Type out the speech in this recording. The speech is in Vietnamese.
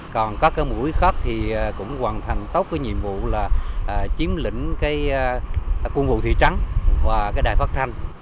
còn các cái mũi khác thì cũng hoàn thành tốt cái nhiệm vụ là chiếm lĩnh cái quân vụ thị trắng và cái đài phát thanh